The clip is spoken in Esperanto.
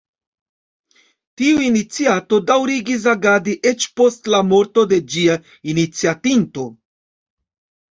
Tiu iniciato daŭrigis agadi eĉ post la morto de ĝia iniciatinto.